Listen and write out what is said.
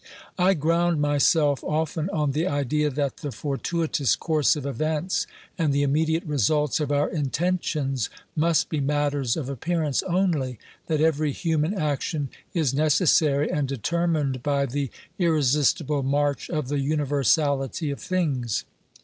I ground myself often on the idea that the fortuitous course of events, and the immediate results of our inten tions, must be matters of appearance only, that every human action is necessary, and determined by the irresis tible march of the universality of things.